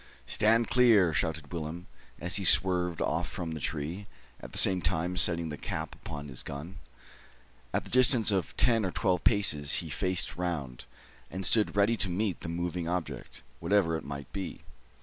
"Stand clear," shouted Willem, as he swerved off from the tree, at the same time setting the cap upon his gun. At the distance of ten or twelve paces he faced round, and stood ready to meet the moving object, whatever it might be.